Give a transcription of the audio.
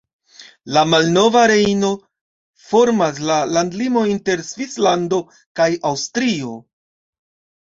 La malnova Rejno formas la landlimon inter Svislando kaj Aŭstrio.